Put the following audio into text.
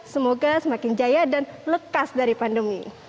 semoga semakin jaya dan lekas dari pandemi